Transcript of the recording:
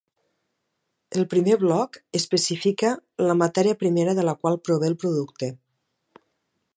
El primer bloc especifica la matèria primera de la qual prové el producte.